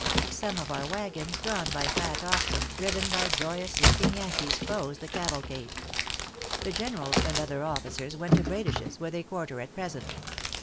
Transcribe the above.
Some of our wagons drawn by fat oxen, driven by joyous looking Yankees, closed the cavalcade. The generals and other officers, went to Bradish's, where they quarter at present.